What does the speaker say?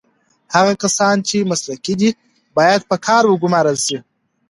هغه کسان چې مسلکي دي باید په کار وګمـارل سي.